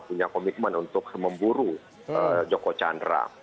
punya komitmen untuk memburu joko chandra